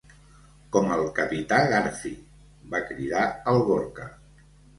Com el capità Garfi! —va cridar el Gorka.